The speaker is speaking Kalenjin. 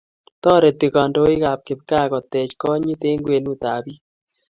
Toreti kandoikab kipgaa koteech konyit eng' kwenutab biik.